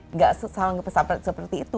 nggak selalu sampai seperti itu